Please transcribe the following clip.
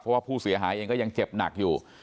เพราะว่าผู้เสียหายเองก็ยังเจ็บหนักอยู่